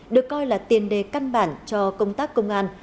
được coi là tiền đề căn bản cho công tác công an